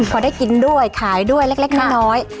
พอได้กินด้วยขายด้วยเล็กน้อย